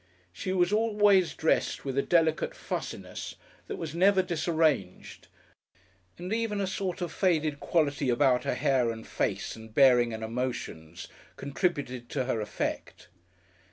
She was always dressed with a delicate fussiness that was never disarranged and even a sort of faded quality about her hair and face and bearing and emotions contributed to her effect.